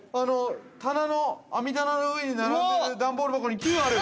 ◆棚の網棚の上に並んでいる段ボール箱に「Ｑ」ある！